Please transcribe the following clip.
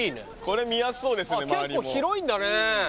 これ結構広いんだねえ